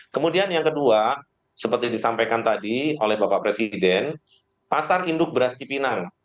kemudian yang kedua seperti disampaikan tadi oleh bapak presiden pasar induk beras cipinang